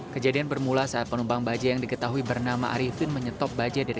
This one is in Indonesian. kejadian bermula saat penumpang baja yang diketahui bernama arifin menyetop baja dari